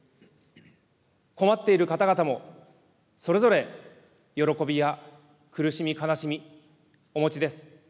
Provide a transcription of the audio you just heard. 困っている方々もそれぞれ喜びや苦しみ、悲しみ、お持ちです。